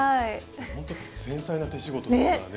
ほんと繊細な手仕事ですからね。ね！